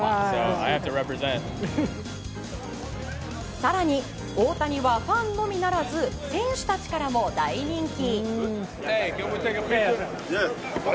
更に、大谷はファンのみならず選手たちからも大人気。